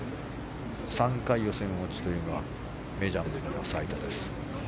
３回予選落ちというのはメジャーでも最多です。